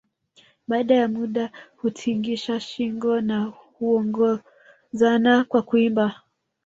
Baada ya muda hutingisha shinngo na huongozana kwa kuimba